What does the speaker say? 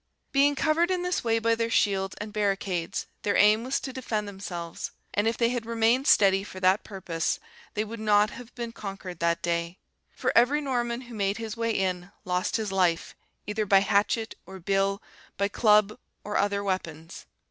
Being covered in this way by their shields and barricades, their aim was to defend themselves: and if they had remained steady for that purpose, they would not have been conquered that day; for every Norman who made his way in, lost his life, either by hatchet, or bill, by club, or other weapons.